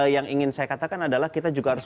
yang ingin saya katakan adalah kita juga harus